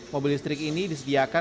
mobil listrik ini disediakan